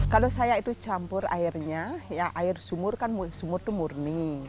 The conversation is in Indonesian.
kalau saya itu campur airnya air sumur kan sumur itu murni